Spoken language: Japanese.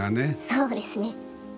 そうですね。